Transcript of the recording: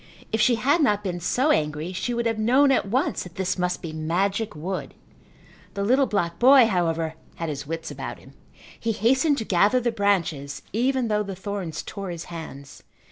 If she had not been so angry she would have known at once that this must be magic wood. The little black boy, however, had his wits about him. He hastened to gather the branches even though the thorns tore his hands.